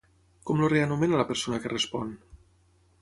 Com el reanomena la persona que respon?